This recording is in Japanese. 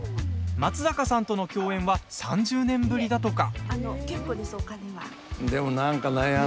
松坂さんとの共演は３０年ぶりだとか。